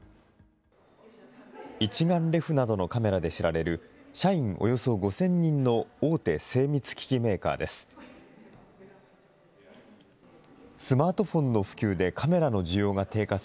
一眼レフなどのカメラで知られる、社員およそ５０００人の大手精密機器メーカーです。